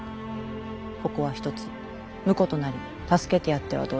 ここはひとつ婿となり助けてやってはどうじゃ。